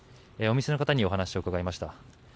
お店の方にお話を伺いました。